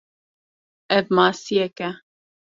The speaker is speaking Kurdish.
Ev masiyek e.